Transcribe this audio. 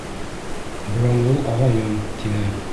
Буранғол ағайың, тине.